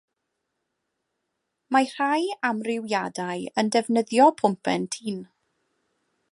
Mae rhai amrywiadau yn defnyddio pwmpen tun.